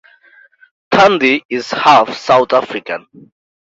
Thandi is half South African.